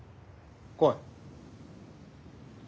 来い。